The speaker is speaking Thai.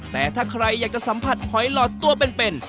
แต่ถ้าใครอยากจะสัมผัสหอยหลอดตัวเป็น